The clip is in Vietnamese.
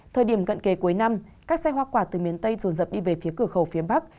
thời điểm cận kề cuối năm các xe hoa quả từ miền tây rồn dập đi về phía cửa khẩu phía bắc